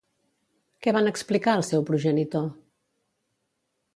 Què van explicar al seu progenitor?